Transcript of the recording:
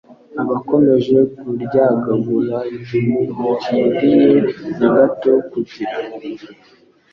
bakomeje kuryagagura! Ntimukwiriye na gato kugira